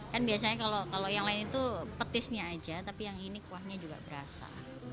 kan biasanya kalau yang lain itu petisnya aja tapi yang ini kuahnya juga berasa